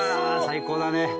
最高だね。